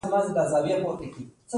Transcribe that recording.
کلیوال سرکونه دولس متره حریم لري